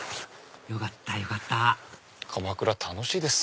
よかったよかった鎌倉楽しいです。